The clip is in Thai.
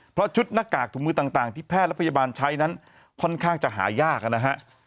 เพราะชุดหน้ากากถุงมือต่างที่แพทย์และพยาบาลใช้นั้นค่อนข้างจะหายากนะฮะ